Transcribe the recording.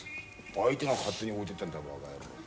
相手が勝手に置いてったんだバカヤロー。